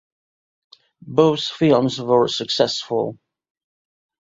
Both films were successful.